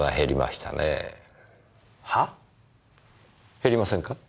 減りませんか？